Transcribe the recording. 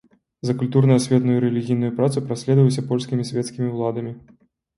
За культурна-асветную і рэлігійную працу праследаваўся польскімі свецкімі ўладамі.